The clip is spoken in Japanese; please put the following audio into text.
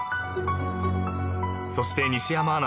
［そして西山アナ